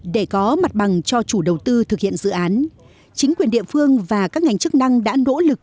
để có mặt bằng cho chủ đầu tư thực hiện dự án chính quyền địa phương và các ngành chức năng đã nỗ lực